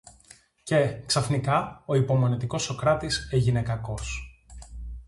Και, ξαφνικά, ο υπομονητικός Σωκράτης έγινε κακός